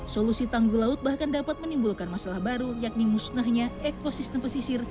solusi tanggul laut bahkan dapat menimbulkan masalah baru yakni musnahnya ekosistem pesisir